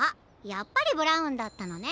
やっぱりブラウンだったのね。